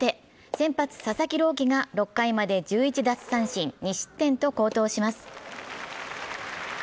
先発・佐々木朗希が６回まで１１奪三振２失点と好投します。